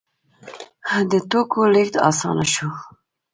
د توکو لیږد اسانه شو.